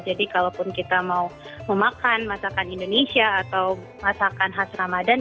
jadi kalaupun kita mau memakan masakan indonesia atau masakan khas ramadhan